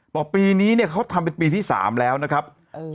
บอกปีนี้เนี่ยเขาทำเป็นปีที่สามแล้วนะครับเออ